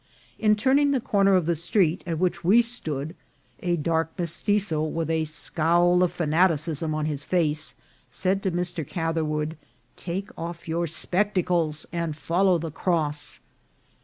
In turning the corner of the street at which we stood, a dark Mestitzo, with a scowl of fanaticism on his face, said to Mr. Catherwood, " Take off your spectacles and follow the cross."